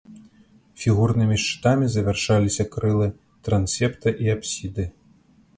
Фігурнымі шчытамі завяршаліся крылы трансепта і апсіды.